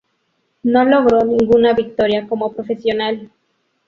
No logró ninguna victoria como profesional